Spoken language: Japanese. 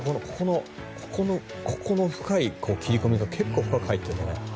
ここの深い切り込みが結構深く入ってるんだね。